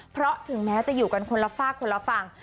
เพราะถึงแม้จะอยู่กันคนละฝากคนละฝั่ง